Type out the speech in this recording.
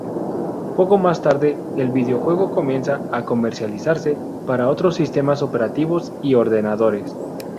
Poco más tarde, el videojuego comienza a comercializarse para otros sistemas operativos y ordenadores.